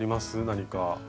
何か。